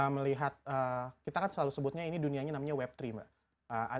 melihat kita kan selalu sebutnya ini dunianya namanya web tiga mbak